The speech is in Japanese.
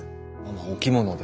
お着物で。